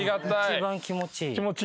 一番気持ちいい。